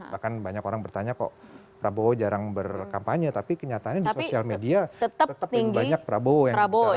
bahkan banyak orang bertanya kok prabowo jarang berkampanye tapi kenyataannya di sosial media tetap lebih banyak prabowo yang dibicarakan